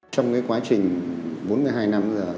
trong quá trình bốn mươi hai năm